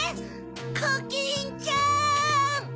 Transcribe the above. コキンちゃん！